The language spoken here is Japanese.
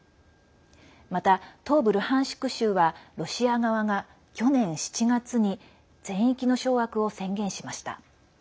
また、東部ルハンシク州はロシア側が去年７月に全域の掌握を宣言しました。